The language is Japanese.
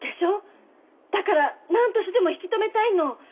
だから何としてでも引き止めたいの。